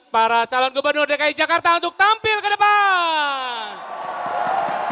para calon gubernur dki jakarta untuk tampil ke depan